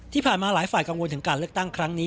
ที่ผ่านมาหลายฝ่ายกังวลถึงการเลือกตั้งครั้งนี้